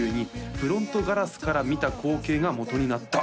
「フロントガラスから見た光景がもとになった」